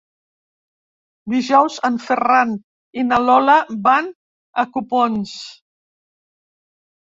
Dijous en Ferran i na Lola van a Copons.